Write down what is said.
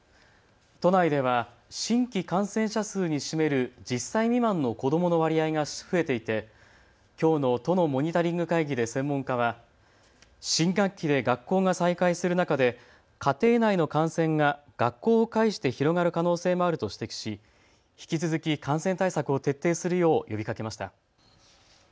都内では新規感染者数に占める１０歳未満の子どもの割合が増えていてきょうの都のモニタリング会議で専門家は新学期で学校が再開する中で家庭内の感染が学校を介して広がる可能性もあると指摘し引き続き感染対策を徹底するよう呼びかけました。